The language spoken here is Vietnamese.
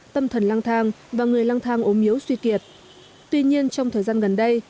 tâm thần lang thang và người lang thang ốm yếu suy kiệt tuy nhiên trong thời gian gần đây